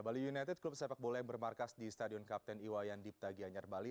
bali united klub sepak bola yang bermarkas di stadion kapten iwayan dipta gianyar bali